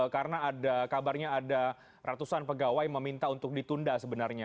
karena ada kabarnya ada ratusan pegawai meminta untuk ditunda sebenarnya